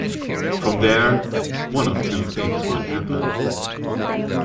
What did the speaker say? From there, one of two things would happen.